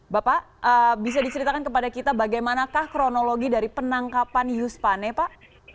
bapak bisa diceritakan kepada kita bagaimanakah kronologi dari penangkapan yus pane pak